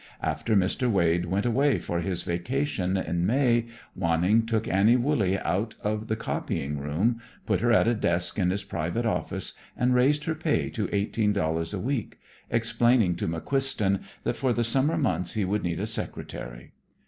After Mr. Wade went away for his vacation, in May, Wanning took Annie Wooley out of the copying room, put her at a desk in his private office, and raised her pay to eighteen dollars a week, explaining to McQuiston that for the summer months he would need a secretary.